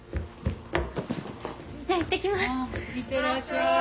じゃあいってきます。